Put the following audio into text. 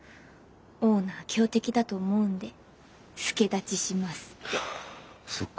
「オーナー強敵だと思うんで助太刀します」って。